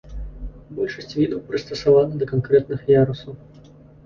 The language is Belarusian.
Большасць відаў прыстасавана да канкрэтных ярусаў.